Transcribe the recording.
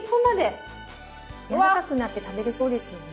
やわらかくなって食べれそうですよね。